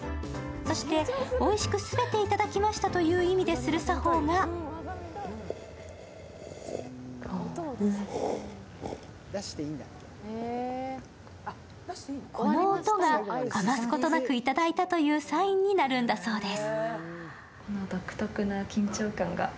そしておいしく全ていただきましたという意味でする作法がこの音が余すことなくいただいたというサインになるんだそうです。